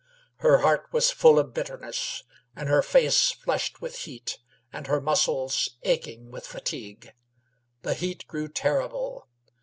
Her heart was full of bitterness, her face flushed with heat, and her muscles aching with fatigue. The heat grew terrible.